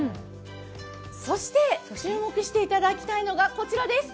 そして、注目していただきたいのがこちらです。